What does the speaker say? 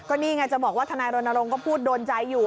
นี่ไงจะบอกว่าทนายรณรงค์ก็พูดโดนใจอยู่